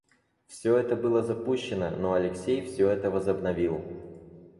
Всё это было запущено, но Алексей всё возобновил.